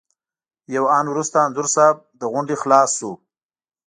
یو آن وروسته انځور صاحب له غونډې خلاص شو.